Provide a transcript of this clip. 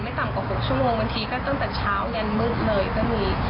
ต่ำกว่า๖ชั่วโมงบางทีก็ตั้งแต่เช้ายันมืดเลยก็มี